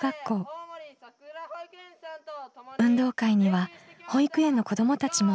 運動会には保育園の子どもたちも参加します。